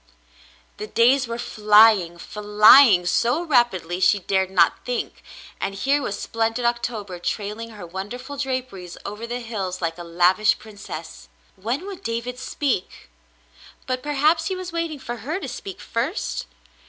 The days were flying — flying — so rapidly she dared not think, and here was splendid October trailing her wonderful draperies over the hills like a lavish princess. When would David speak ? But perhaps he was waiting for her to speak first